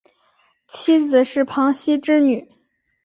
妻子是庞羲之女。